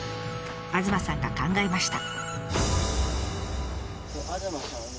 東さんが考えました。